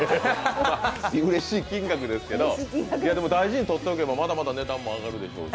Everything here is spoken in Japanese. うれしい金額ですけど、大事にとっておけば、まだまだ金額も上がるでしょうし。